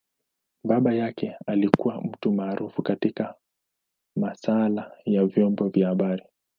Baba yake alikua mtu maarufu katika masaala ya vyombo vya habari.